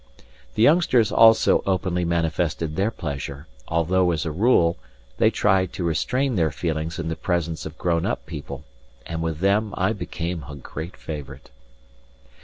The youngsters also openly manifested their pleasure, although, as a rule, they try to restrain their feelings in the presence of grown up people, and with them I became a great favourite.